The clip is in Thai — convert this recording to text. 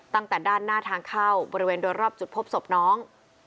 ตั้งแต่ด้านหน้าทางเข้าบริเวณโดยรอบจุดพบศพน้อง